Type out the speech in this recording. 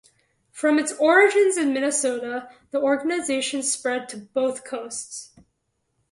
From its origins in Minnesota the organization spread to both coasts.